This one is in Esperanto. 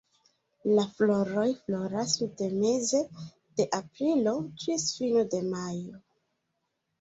La floroj floras de meze de aprilo ĝis fino de majo.